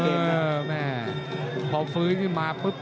โอ้โหแดงโชว์อีกเลยเดี๋ยวดูผู้ดอลก่อน